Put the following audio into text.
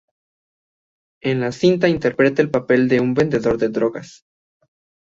En la cinta interpretar el papel de un vendedor de drogas.